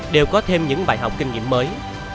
đều có thêm những bài học kinh nghiệm mới